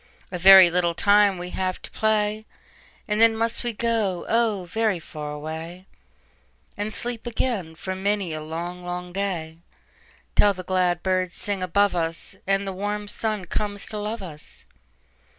"A very little time we have to play, Then must we go, oh, very far away, And sleep again for many a long, long day, Till the glad birds sing above us, And the warm sun comes to love us.